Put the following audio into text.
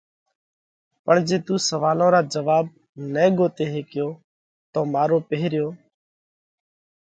پڻ جي تُون سوئالون را جواڀ نہ ڳوتي هيڪيو تو مارو پيرهيون